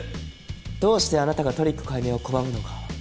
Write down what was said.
どうしてあなたがトリック解明を拒むのか。